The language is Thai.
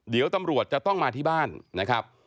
เดี๋ยวตำรวจจะต้องมาที่บ้านนะครับ